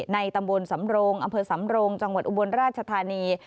ในตำบลสำโรงอำเภอสำโรงจังหวัดอุบลราชธานี